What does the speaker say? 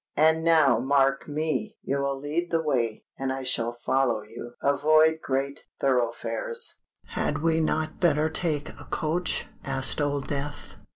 And now mark me! You will lead the way—and I shall follow you. Avoid great thoroughfares——" "Had we not better take a coach?" asked Old Death.